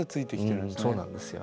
うんそうなんですよね。